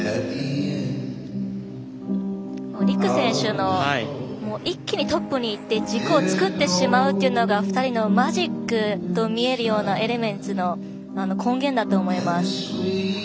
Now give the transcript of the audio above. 璃来選手の一気にトップにいって軸を作ってしまうというのが２人のマジックと見えるようなエレメンツの根源だと思います。